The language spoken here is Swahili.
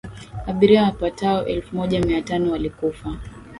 abiria wapatao elfu moja mia tano walikufa